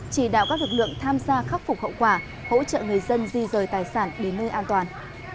chỉ đạo các lực lượng tham gia khắc phục hậu quả hỗ trợ người dân di rời tài sản đến nơi an toàn